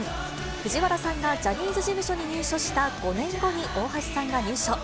藤原さんがジャニーズ事務所に入所した５年後に大橋さんが入所。